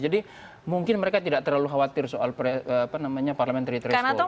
jadi mungkin mereka tidak terlalu khawatir soal parliamentary trust